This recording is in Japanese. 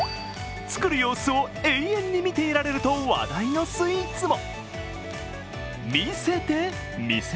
作る様子を永遠に見ていられると話題のスイーツも。